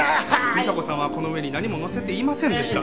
美沙子さんはこの上に何も載せていませんでした。